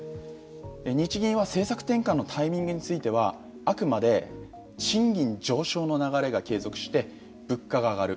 日銀は政策転換のタイミングについてはあくまで賃金上昇の流れが継続して物価が上がる。